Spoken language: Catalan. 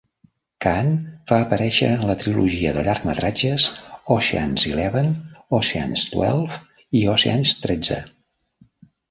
Caan va aparèixer en la trilogia de llargmetratges "Ocean's Eleven", "Ocean's Twelve", i "Ocean's tretze".